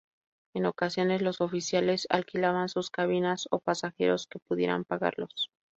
En ocasiones los oficiales alquilaban sus cabinas a pasajeros que pudieran pagarlos.